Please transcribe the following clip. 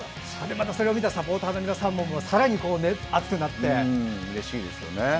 それを見たサポーターの皆さんもうれしいですよね。